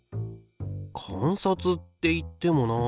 観察っていってもなあ。